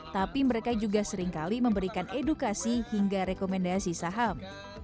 tapi mereka juga seringkali memberikan edukasi hingga rekomendasi saham